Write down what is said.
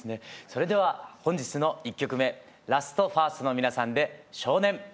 それでは本日の１曲目ＬＡＳＴＦＩＲＳＴの皆さんで「少年」。